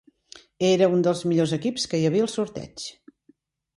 Era un dels millors equips que hi havia al sorteig.